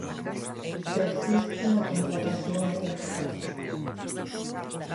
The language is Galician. Persiste na contratación a tempo parcial.